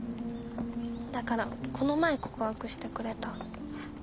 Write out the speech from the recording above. だからこの前告白してくれた。